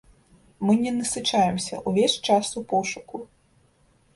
Мы не насычаемся, ўвесь час ў пошуку.